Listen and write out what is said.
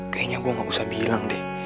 kayaknya gue gak usah bilang deh